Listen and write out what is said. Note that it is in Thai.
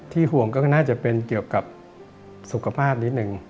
ห่วงก็น่าจะเป็นเกี่ยวกับสุขภาพนิดนึง